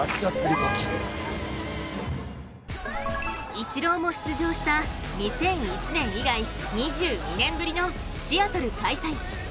イチローも出場した２００１年以来２２年ぶりのシアトル開催。